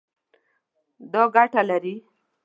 دا ګټه لري